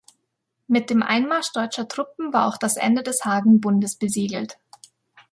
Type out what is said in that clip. Mit dem Einmarsch deutscher Truppen war auch das Ende des Hagenbundes besiegelt.